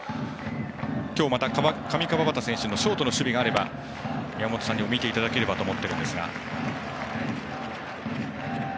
今日また上川畑選手のショートの守備があれば宮本さんにも見ていただければと思っています。